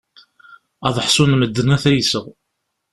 Ad ḥṣun medden ad t-ayseɣ.